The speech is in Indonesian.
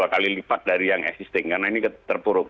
karena ini terpuruk